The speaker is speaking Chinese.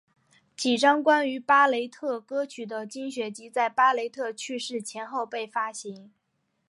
几张关于巴雷特歌曲的精选集在巴雷特去世前后被发行。